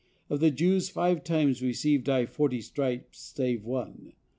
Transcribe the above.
Of the Jews five times received I forty stripes save one.